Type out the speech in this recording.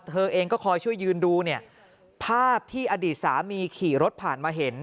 เธอเองก็คอยช่วยยืนดูเนี่ยภาพที่อดีตสามีขี่รถผ่านมาเห็น